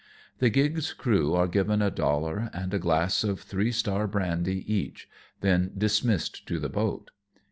The gig's crew are given a dollar and glass of Three Star brandy each, then dismissed to the boat.